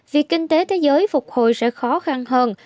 vì kinh tế thế giới phục hồi sẽ khó khăn hơn